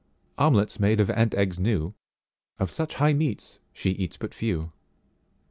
Omelettes made of ant eggs new—Of such high meats she eats but few.